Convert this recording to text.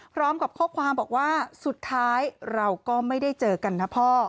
พร้อมกับข้อความบอกว่าสุดท้ายเราก็ไม่ได้เจอกันนะพ่อ